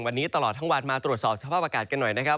วันนี้ตลอดทั้งวันมาตรวจสอบสภาพอากาศกันหน่อยนะครับ